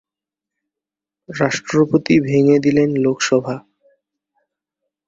রাষ্ট্রপতি ভেঙে দিলেন লোকসভা।